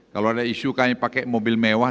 kalau ada isu kami pakai mobil mewah